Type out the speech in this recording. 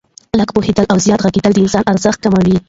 لږ پوهېدل او زیات ږغېدل د انسان ارزښت کموي.